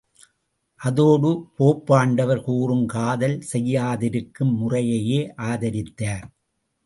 அதோடு போப்பாண்டவர் கூறும் காதல் செய்யாதிருக்கும் முறையையே ஆதரித்தார்.